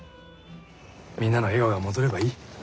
みんなの笑顔が戻ればいい。